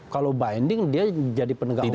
kalau binding dia jadi penegak hukum